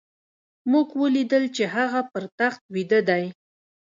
موږ وليدل چې هغه پر تخت ويده دی.